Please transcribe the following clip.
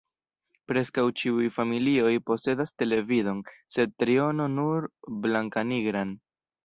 Preskaŭ ĉiuj familioj posedas televidon sed triono nur blankanigran.